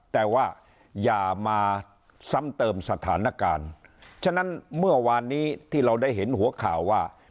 แต่ว่าอย่ามาซ้ำเติมสถานการณ์ฉะนั้นเมื่อวานนี้ที่เราได้เห็นหัวข่าวว่า